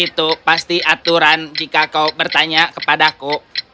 itu pasti aturan jika kau bertanya kepadaku